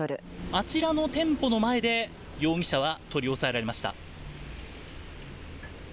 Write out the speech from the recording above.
あちらの店舗の前で、容疑者は取り押さえられました。